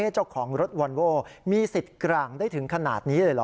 เจ้าของรถวอนโว้มีสิทธิ์กลางได้ถึงขนาดนี้เลยเหรอ